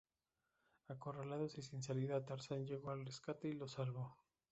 Acorralados y sin salida, Tarzán llegó al rescate y los salvó.